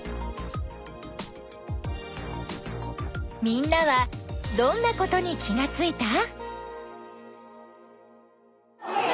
みんなはどんなことに気がついた？